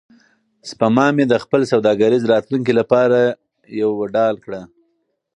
سپما مې د خپل سوداګریز راتلونکي لپاره یوه ډال کړه.